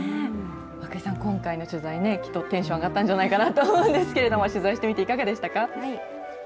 涌井さん、今回の取材ね、きっとテンション上がったんじゃないかなと思うんですけれども、取材してみて、いかがでしたか？